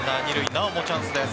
なおもチャンスです。